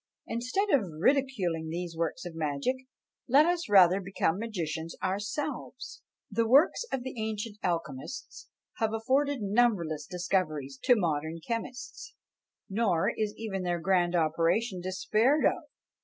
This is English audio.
Instead of ridiculing these works of magic, let us rather become magicians ourselves! The works of the ancient alchemists have afforded numberless discoveries to modern chemists: nor is even their grand operation despaired of.